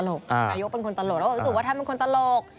นายกรัฐมนตรีเป็นคนตลกแล้วผมรู้สึกว่าท่านเป็นคนตลก